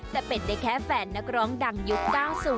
แต่เป็นได้แค่แฟนนักร้องดังยุค๙๐